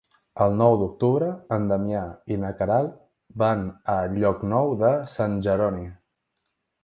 El nou d'octubre en Damià i na Queralt van a Llocnou de Sant Jeroni.